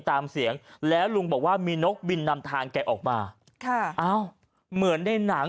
ตามเสียงแล้วลุงบอกว่ามีนกบินนำทางแกออกมาค่ะอ้าวเหมือนในหนัง